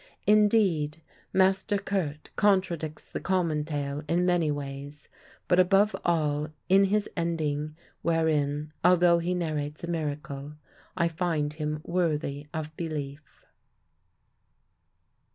Indeed, Master Kurt contradicts the common tale in many ways, but above all in his ending, wherein (although he narrates a miracle) I find him worthy of belief.